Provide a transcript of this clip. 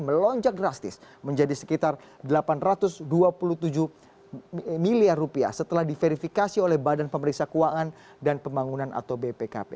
melonjak drastis menjadi sekitar delapan ratus dua puluh tujuh miliar rupiah setelah diverifikasi oleh badan pemeriksa keuangan dan pembangunan atau bpkp